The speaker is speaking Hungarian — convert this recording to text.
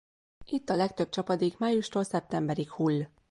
Itt a legtöbb csapadék májustól szeptemberig hull.